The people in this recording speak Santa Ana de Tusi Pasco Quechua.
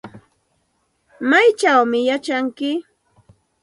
¿Maychawmi yachanki?